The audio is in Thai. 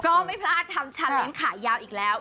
ก็ไม่พลาดทำชาเล้งขายาวอีกแล้ว